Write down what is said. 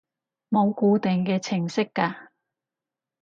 冇固定嘅程式㗎